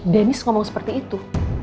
deni ngomong seperti itu